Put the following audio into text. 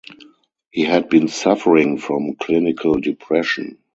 He had been suffering from clinical depression.